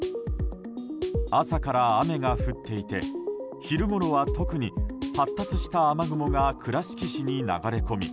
朝から雨が降っていて昼ごろは特に、発達した雨雲が倉敷市に流れ込み